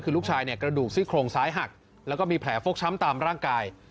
คือลูกชายเนี่ยกระดูกซี่โครงซ้ายหักแล้วก็มีแผลฟกช้ำตามร่างกาย